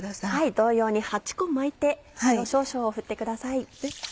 同様に８個巻いて塩少々を振ってください。